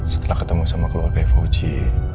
setelah ketemu sama keluarga eva uji